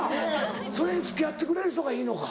それに付き合ってくれる人がいいのか。